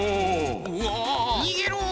わ！にげろ！